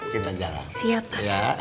kita jalan siap pak